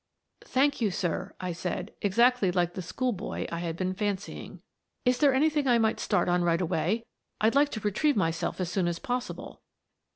" Thank you, sir," I said, exactly like the school boy I had been fancying. "Is there anything I might start on right away? I'd like to retrieve myself as soon as possible."